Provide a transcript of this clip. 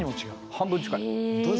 半分近い。